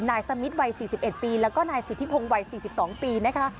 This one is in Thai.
นายสมิทวัยสี่สิบเอ็ดปีแล้วก็นายสิทธิพงวัยสี่สิบสองปีนะคะ